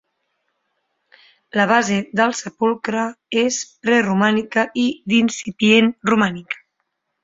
La base del sepulcre és preromànica i d'incipient romànic.